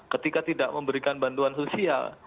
ketika tidak memberikan bantuan sosial